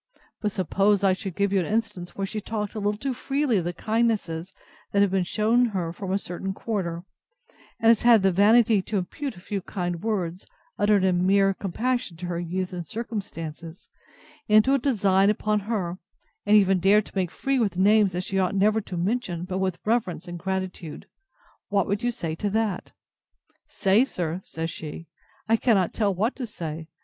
But suppose I could give you an instance, where she has talked a little too freely of the kindnesses that have been shewn her from a certain quarter; and has had the vanity to impute a few kind words, uttered in mere compassion to her youth and circumstances, into a design upon her, and even dared to make free with names that she ought never to mention but with reverence and gratitude; what would you say to that?—Say, sir! said she, I cannot tell what to say.